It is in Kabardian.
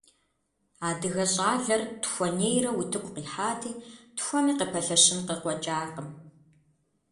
Адыгэ щӀалэр тхуэнейрэ утыку къихьати, тхуэми къыпэлъэщын къыкъуэкӀакъым.